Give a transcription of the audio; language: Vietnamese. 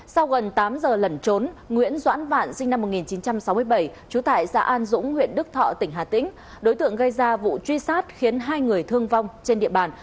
sau gần tám giờ lẩn trốn nguyễn doãn vạn sinh năm một nghìn chín trăm sáu mươi bảy trú tại xã an dũng huyện đức thọ tỉnh hà tĩnh đối tượng gây ra vụ truy sát khiến hai người thương vong trên địa bàn